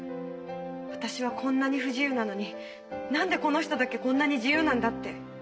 私はこんなに不自由なのになんでこの人だけこんなに自由なんだって。